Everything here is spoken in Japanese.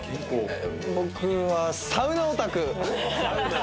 僕はサウナオタク。